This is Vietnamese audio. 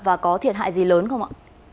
và có thiệt hại gì lớn không ạ